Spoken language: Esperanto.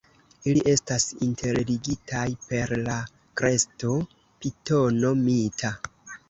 Ili estas interligitaj per la kresto Pitono Mita.